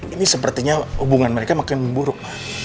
ini sepertinya hubungan mereka makin memburuk